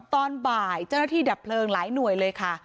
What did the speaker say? ตอนบ่ายเจ้าหน้าที่ดับเพลิงหลายหน่วยเลยค่ะ